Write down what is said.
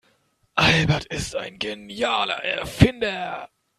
Albert ist ein genialer Erfinder.